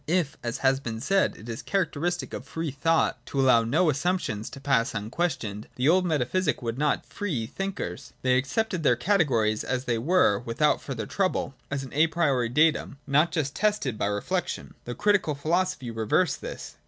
If, as has been said, it is characteristic of free thought to allow no assumptions to pass unquestioned, the old metaphysicians were not free thinkers. They accepted their categories as they were, without further trouble, as an a priori datum, not yet tested by reflection. The Critical philosophy reversed this.